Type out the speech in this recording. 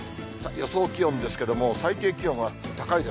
予想気温ですけども、最低気温は高いです。